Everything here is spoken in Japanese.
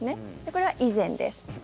これは以前です。